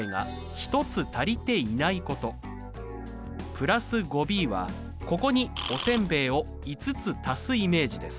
＋５ｂはここにおせんべいを５つ足すイメージです。